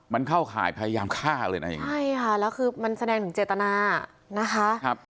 มันเข้าข่ายพยายามฆ่าเลยนะอย่างนี้ใช่ค่ะแล้วคือมันแสดงถึงเจตนานะคะครับ